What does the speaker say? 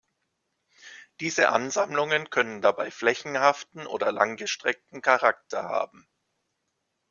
Diese Ansammlungen können dabei flächenhaften oder langgestreckten Charakter haben.